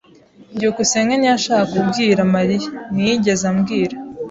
byukusenge ntiyashakaga kubwira Mariya. Ntiyigeze ambwira.